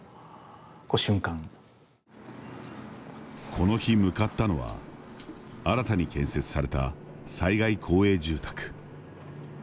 この日、向かったのは新たに建設された災害公営住宅。